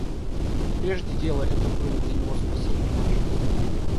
Прежде дело это было для него спасением от жизни.